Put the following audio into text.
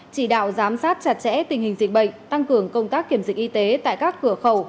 chỉ đạo giám sát chặt chẽ tình hình dịch bệnh tăng cường công tác kiểm dịch y tế tại các cửa khẩu